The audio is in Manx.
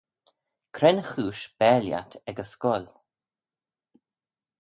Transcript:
Cre'n chooish bare lhiat ec y scoill?